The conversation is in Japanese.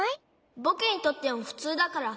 ぼくにとってのふつうだから。